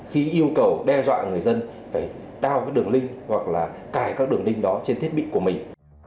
khi yêu cầu đe dọa người dân phải đao các đường linh hoặc là cài các đường linh đó trên thiết bị của mình